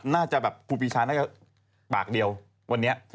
น่าจะแบบครูปีชาน่าจะปากเดียววันนี้